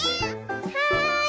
はい。